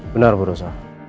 benar bu rosa